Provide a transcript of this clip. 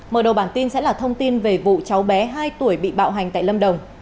mở đầu bản tin sẽ là thông tin về vụ cháu bé hai tuổi bị bạo hành tại lâm đồng